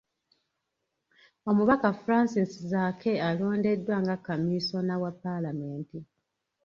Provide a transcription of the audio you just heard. Omubaka Francis Zaake alondeddwa nga Kamisona wa Paalamenti